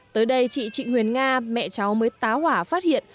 tới đây chị trịnh huyền nga mẹ cháu mới tá hỏa phát hiện